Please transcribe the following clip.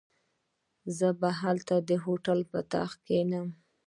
زه به هلته د هوټل پر تخت کښېنم.